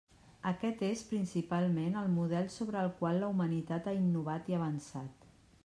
Aquest és principalment el model sobre el qual la humanitat ha innovat i avançat.